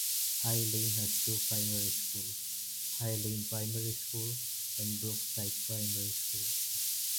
High Lane has two primary schools: High Lane Primary School and Brookside Primary School.